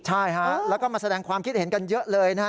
ใช่ฮะแล้วก็มาแสดงความคิดเห็นกันเยอะเลยนะฮะ